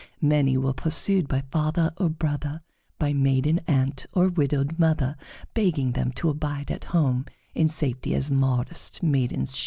Many were pursued by father or brother, by maiden aunt or widowed mother, begging them to abide at home in safety as modest maidens should.